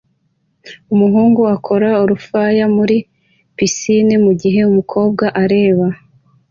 Umuhungu akora urufaya muri pisine mugihe umukobwa areba